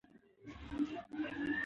د ریګ دښتې د اقتصاد برخه ده.